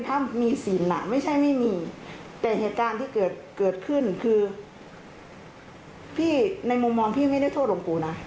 แต่เหตุการณ์ที่เกิดขึ้นคือในมุมมองพี่ไม่ได้โทษหลงปู่นะ